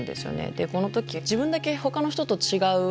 でこの時自分だけほかの人と違う。